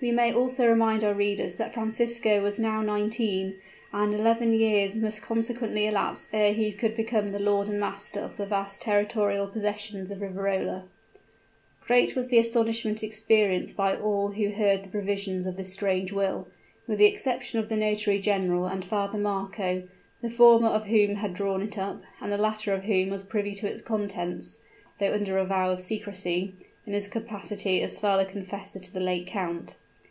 We may also remind our readers that Francisco was now nineteen; and eleven years must consequently elapse ere he could become the lord and master of the vast territorial possessions of Riverola. Great was the astonishment experienced by all who heard the provisions of this strange will with the exception of the notary general and Father Marco, the former of whom had drawn it up, and the latter of whom was privy to its contents (though under a vow of secrecy) in his capacity of father confessor to the late count.